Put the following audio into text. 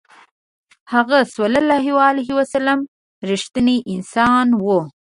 هغه ﷺ رښتینی انسان و.